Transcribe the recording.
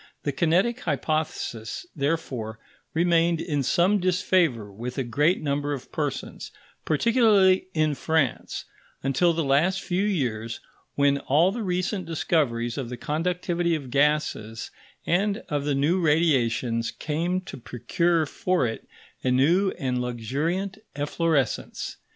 The kinetic hypothesis, therefore, remained in some disfavour with a great number of persons, particularly in France, until the last few years, when all the recent discoveries of the conductivity of gases and of the new radiations came to procure for it a new and luxuriant efflorescence.